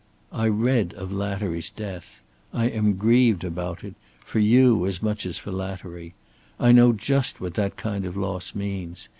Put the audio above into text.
"I read of Lattery's death. I am grieved about it for you as much as for Lattery. I know just what that kind of loss means.